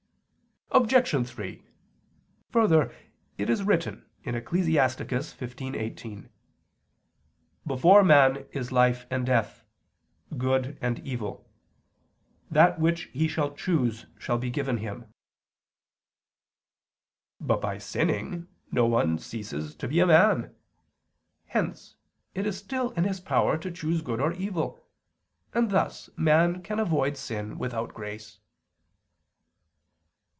Obj. 3: Further, it is written (Ecclus. 15:18): "Before man is life and death, good and evil; that which he shall choose shall be given him." But by sinning no one ceases to be a man. Hence it is still in his power to choose good or evil; and thus man can avoid sin without grace.